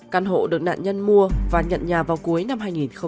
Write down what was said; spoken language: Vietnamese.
căn hộ được nạn nhân mua và nhận nhà vào cuối năm hai nghìn hai mươi một